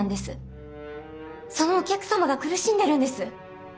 そのお客様が苦しんでるんです。